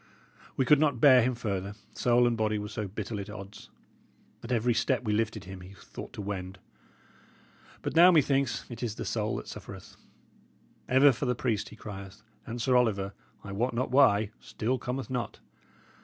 "We could not bear him further, soul and body were so bitterly at odds. At every step we lifted him, he thought to wend. But now, methinks, it is the soul that suffereth. Ever for the priest he crieth, and Sir Oliver, I wot not why, still cometh not.